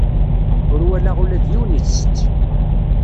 Ur walaɣ ula d yiwen isett.